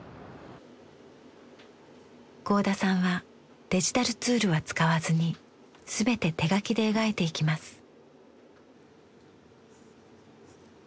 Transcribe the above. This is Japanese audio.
合田さんはデジタルツールは使わずに全て手描きで描いていきます。